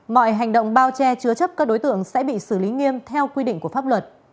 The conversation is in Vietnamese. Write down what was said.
mọi hành động bao che chứa chấp các đối tượng sẽ bị xử lý nghiêm theo quy định của pháp luật